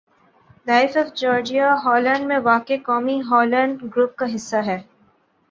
life of Georgia Holland میں واقع قومی ہالینڈ گروپ کا حصّہ ہے